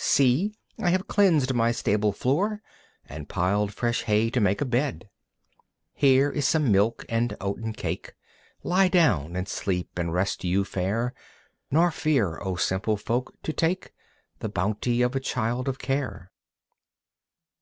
See, I have cleansed my stable floor And piled fresh hay to make a bed. Here is some milk and oaten cake. Lie down and sleep and rest you fair, Nor fear, O simple folk, to take The bounty of a child of care.